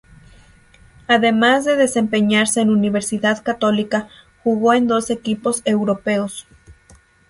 Además de desempeñarse en Universidad Católica, jugó en dos equipos europeos.